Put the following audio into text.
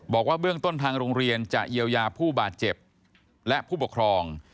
บอกว่าเบื้องต้นทางโรงเรียนจะเยียวยาผู้บาดเจ็บและผู้ปกครอง